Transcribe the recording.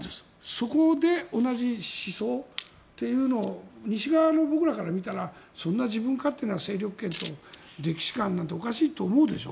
そこで同じ思想というのを西側の人から見たらそんな自分勝手な勢力圏と歴史観なんておかしいと思うでしょ。